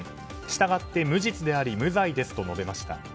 したがって無実であり無罪ですと述べました。